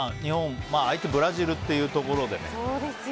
相手、ブラジルというところでね。